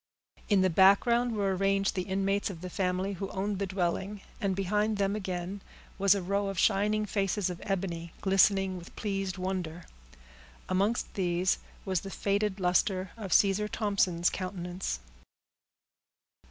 In the background were arranged the inmates of the family who owned the dwelling, and behind them, again, was a row of shining faces of ebony, glistening with pleased wonder. Amongst these was the faded luster of Caesar Thompson's countenance.